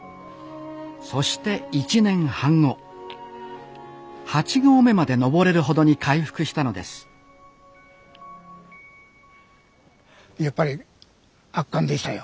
そして１年半後八合目まで登れるほどに回復したのですやっぱり圧巻でしたよ。